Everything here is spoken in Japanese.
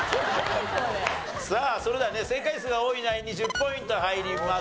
さあそれではね正解数が多いナインに１０ポイント入ります。